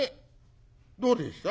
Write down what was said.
「どうでした？」。